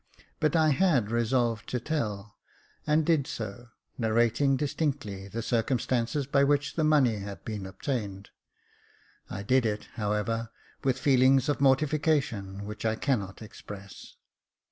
But I had resolved to tell, and did so, narrating distinctly the circumstances by which the money had been obtained. I did it, however, with feelings of mortification which I cannot express.